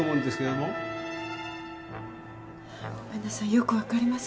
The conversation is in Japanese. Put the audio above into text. よく分かりません。